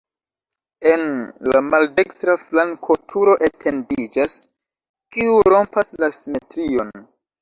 En la maldekstra flanko turo etendiĝas, kiu rompas la simetrion.